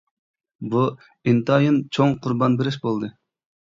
بۇ ئىنتايىن چوڭ قۇربان بېرىش بولدى.